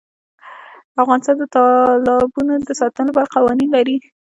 افغانستان د تالابونه د ساتنې لپاره قوانین لري.